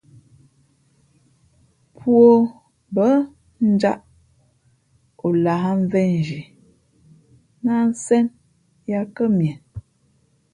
Pō ǒ mbά njāʼ, ǒ lāh mvēnzhiē nά ā nsen yā kά mie.